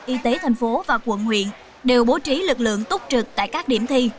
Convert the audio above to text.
y tế tp hcm và quận huyện đều bố trí lực lượng túc trực tại các điểm thi